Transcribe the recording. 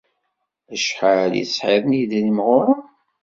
Acḥal i tesɛiḍ n yedrimen ɣur-m?